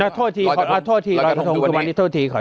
เถิดโทษทีครับโทษทีรอยกระทงที่วันนี้นะครับ